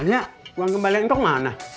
akhirnya uang kembalian itu kemana